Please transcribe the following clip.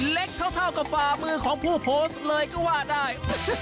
เล็กเท่ากับฝ่ามือของผู้โพสต์เลยก็ว่าได้